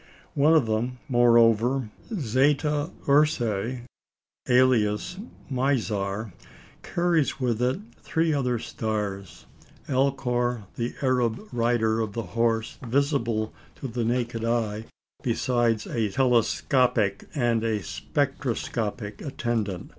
One of them, moreover, Zeta Ursæ, alias Mizar, carries with it three other stars Alcor, the Arab "Rider" of the horse, visible to the naked eye, besides a telescopic and a spectroscopic attendant.